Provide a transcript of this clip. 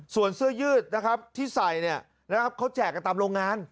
ส่วนเสื้อยืดนะครับที่ใส่เนี่ยนะครับเขาแจกกันตามโรงงาน